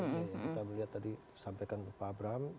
kita melihat tadi sampaikan pak abram